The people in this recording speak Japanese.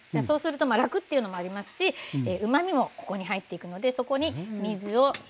そうすると楽っていうのもありますしうまみもここに入っていくので。